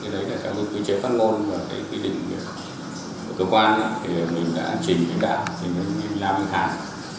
đó là theo hướng quy chế phát ngôn và quy định của cơ quan thì mình đã chỉnh hình ảnh làm ra tháng